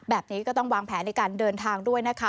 แบบนี้ก็ต้องวางแผนในการเดินทางด้วยนะคะ